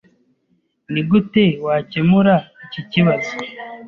Nigute wakemura iki kibazo?